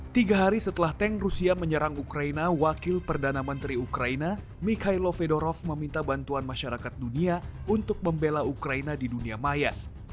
tiga hari setelah tank rusia menyerang ukraina wakil perdana menteri ukraina mikhailo fedorov meminta bantuan masyarakat dunia untuk membela ukraina di dunia maya